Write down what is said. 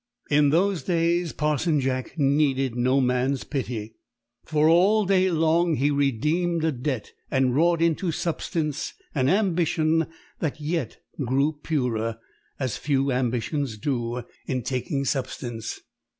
In those days Parson Jack needed no man's pity, for all day long he redeemed a debt and wrought into substance an ambition that yet grew purer as few ambitions do in taking substance.